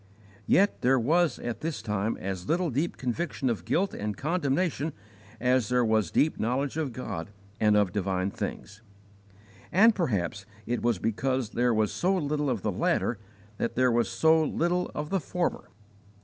Yet there was at this time as little deep conviction of guilt and condemnation as there was deep knowledge of God and of divine things, and perhaps it was because there was so little of the latter that there was so little of the former.